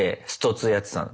２やってたの。